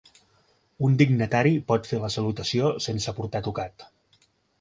Un dignatari pot fer la salutació sense portar tocat.